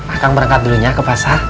akan berangkat dulunya ke pasar